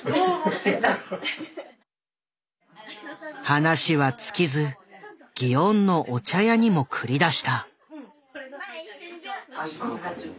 話は尽きず祇園のお茶屋にも繰り出した。